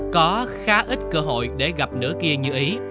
có khá ít cơ hội để gặp nữ kia như ý